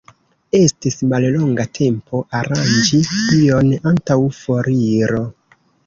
Estis mallonga tempo aranĝi ion antaŭ foriro.